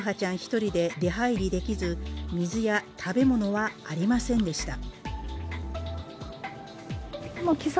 １人で出入りできず、水や食べ物はありませんでした。